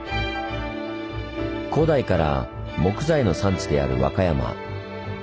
古代から木材の産地である和歌山。